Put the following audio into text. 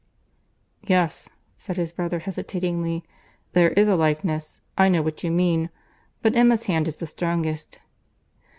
"Yes," said his brother hesitatingly, "there is a likeness. I know what you mean—but Emma's hand is the strongest."